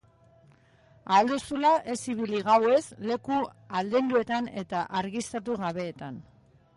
Ahal duzula ez ibili gauez leku aldenduetan eta argiztatu gabeetan.